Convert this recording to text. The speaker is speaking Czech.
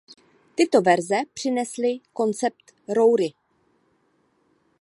Tyto verze přinesly koncept roury.